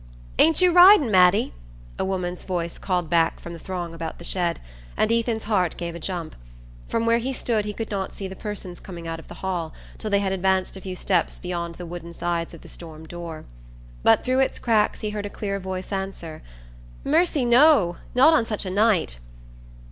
"Ain't you riding, Mattie?" a woman's voice called back from the throng about the shed, and Ethan's heart gave a jump. From where he stood he could not see the persons coming out of the hall till they had advanced a few steps beyond the wooden sides of the storm door; but through its cracks he heard a clear voice answer: "Mercy no! Not on such a night."